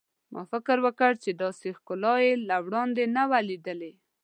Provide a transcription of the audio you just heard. ما فکر وکړ چې داسې ښکلا مې له وړاندې نه وه لیدلې.